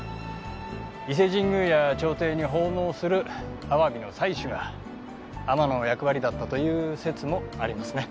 伊勢神宮や朝廷に奉納するアワビの採取が海女の役割だったという説もありますね。